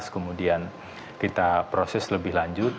kemudian kita proses lebih lanjut